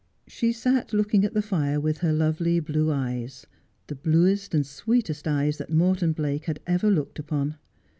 She sat looking at the fire with her lovely blue eyes, the bluest and sweetest eyes that Morton Blake had ever looked upon.